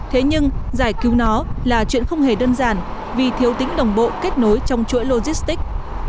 thế nhưng giải cứu nó là chuyện không hề đơn giản vì thiếu tính đồng bộ kết nối trong chuỗi logistics